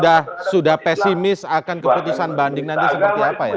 jadi sudah pesimis akan keputusan banding nanti seperti apa